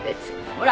ほら。